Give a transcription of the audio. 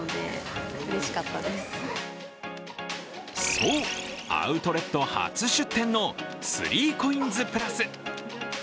そう、アウトレット初出店の３コインズプラス。